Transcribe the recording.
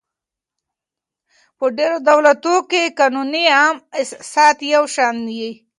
په ډېرو دولتو کښي قانوني عام اساسات یو شان يي.